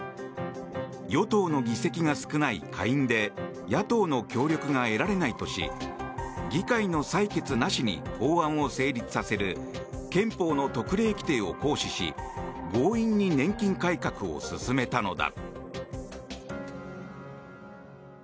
与党の議席が少ない下院で野党の協力が得られないとし議会の採決なしに法案を成立させる憲法の特例規定を行使し強引に年金改革を進めたのだ。